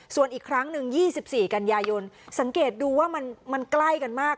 ส่วนอีกครั้งหนึ่ง๒๔กันยายนสังเกตดูว่ามันใกล้กันมาก